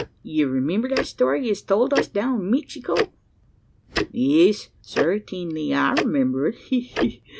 You remimber that story yez towld us down in Mixico?" "Yees; certingly I remember it he, he, he!